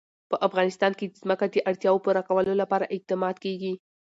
په افغانستان کې د ځمکه د اړتیاوو پوره کولو لپاره اقدامات کېږي.